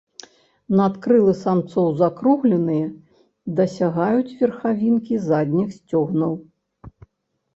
Надкрылы самцоў закругленыя, дасягаюць верхавінкі задніх сцёгнаў.